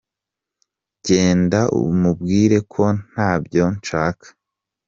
Jyenda umubwire ko ntabyo nshaka.